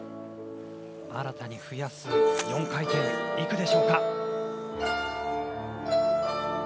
新たに増やす４回転、行くでしょうか？